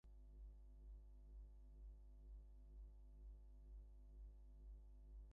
Davin was elected president and Cusack became its first secretary.